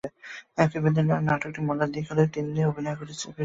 একই বৃন্তে নাটকটির মজার দিক হলো, তিন্নি অভিনয়ে ফিরছেন তাঁর মায়ের গল্প দিয়ে।